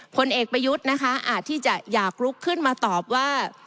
ผลเอกประยุทธ์นะคะอาจที่จะอยากลุกขึ้นมาตอบว่า